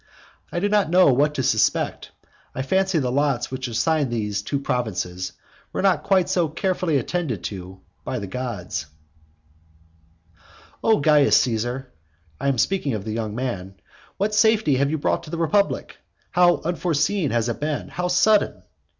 I do not know what to suspect. I fancy the lots which assigned these two provinces, were not quite so carefully attended to by the gods. XI. O Caius Caesar, (I am speaking of the young man,) what safety have you brought to the republic! How unforeseen has it been! how sudden!